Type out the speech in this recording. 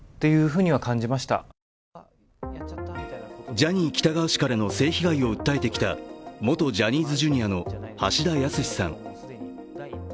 ジャニー喜多川氏からの性被害を訴えてきた元ジャニーズＪｒ．の橋田康さん。